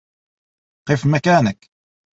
قف مكانك!